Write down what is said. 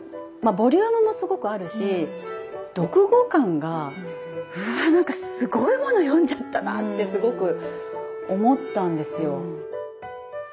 ボリュームもすごくあるし読後感が「うわなんかすごいもの読んじゃったな」ってすごく思ったんですよ。